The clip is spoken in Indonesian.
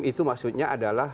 itu maksudnya adalah